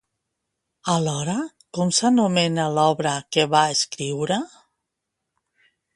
Alhora, com s'anomena l'obra que va escriure?